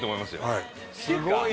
はい。